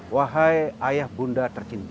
wahai ayah bunda tercinta